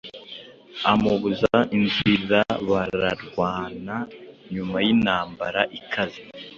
amubuza inzirabararwana Nyuma yintambara ikaze